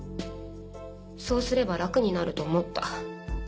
そうすれば楽になると思った。